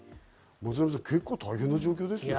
松並さん、結構大変な状況ですね。